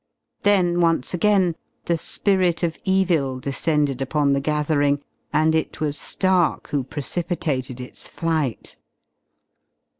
Then once again the spirit of evil descended upon the gathering and it was Stark who precipitated its flight.